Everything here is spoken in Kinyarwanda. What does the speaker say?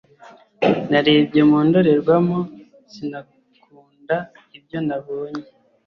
narebye mu ndorerwamo sinakunda ibyo nabonye